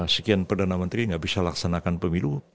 sekian perdana menteri nggak bisa laksanakan pemilu